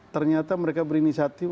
ternyata mereka berinisiatif